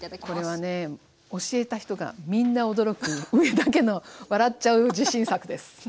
これはね教えた人がみんな驚く上田家の笑っちゃう自信作です。